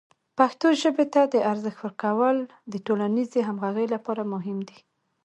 پښتو ژبې ته د ارزښت ورکول د ټولنیزې همغږۍ لپاره مهم دی.